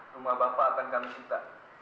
rumah bapak akan kami minta